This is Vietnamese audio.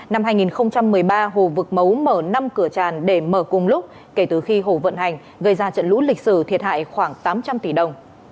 năm hai nghìn một mươi ba hồ vực mấu mở năm cửa tràn để mở cùng lúc kể từ khi hồ vận hành gây ra trận lũ lịch sử thiệt hại khoảng tám trăm linh tỷ đồng